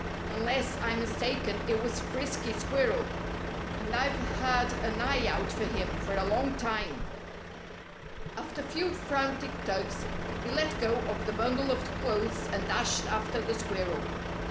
Unless I'm mistaken, it was Frisky Squirrel. And I've had an eye out for him for a longtime." After a few frantic tugs he let go of the bundle of clothes and dashed after the squirrel.